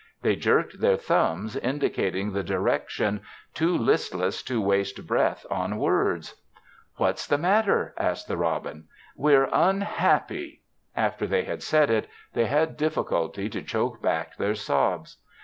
they jerked their thumbs, indicating the direction, too listless to waste breath on words. "What's the matter?" asked the robin. "We're unhappy." After they had said it, they had difficulty to choke back their sobs.